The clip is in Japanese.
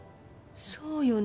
そうよね